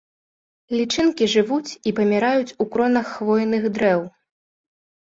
Лічынкі жывуць у паміраюць кронах хвойных дрэў.